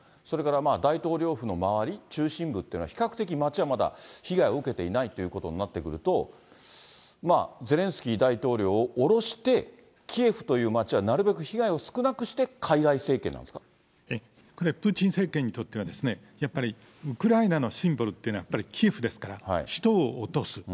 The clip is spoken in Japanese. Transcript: それから、大統領府の周り、中心部っていうのは、比較的町はまだ被害を受けていないということになってくると、まあゼレンスキー大統領を降ろして、キエフという町はなるべく被害を少なくして、かいらい政権なんでこれはプーチン政権にとってはやっぱりウクライナのシンボルっていうのはやっぱりキエフですから、首都を落とす。